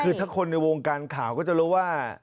คือถ้าคนในวงการข่าวก็จะรู้ว่า